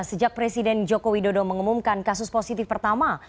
sejak presiden joko widodo mengumumkan kasus positif pertama